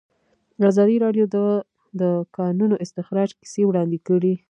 ازادي راډیو د د کانونو استخراج کیسې وړاندې کړي.